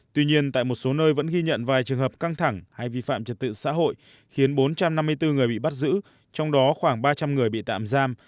tuy nhiên tại một số nơi vẫn ghi nhận vài trường hợp căng thẳng hay vi phạm trật tự xã hội khiến bốn trăm năm mươi bốn người bị bắt giữ trong đó khoảng ba trăm linh người bị tạm giam